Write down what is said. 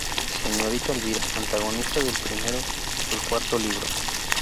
Señorita Elvira: Antagonista del primero al cuarto libro.